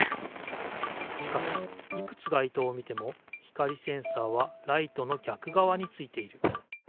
しかしいくつがいとうを見ても光センサーはライトのぎゃくがわについている。